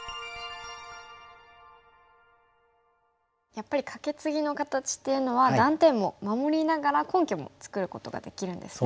やっぱりカケツギの形っていうのは断点も守りながら根拠も作ることができるんですね。